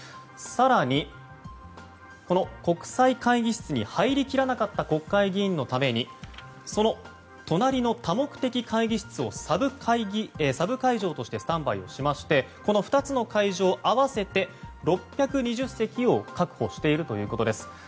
更に、この国際会議室に入りきらなかった国会議員のためにその隣の多目的会議室をサブ会場としてスタンバイをしまして２つの会場合わせて６２０席を確保しているということです。